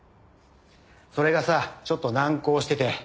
それがさちょっと難航してて。